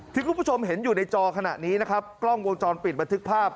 คุณผู้ชมเห็นอยู่ในจอขณะนี้นะครับกล้องวงจรปิดบันทึกภาพ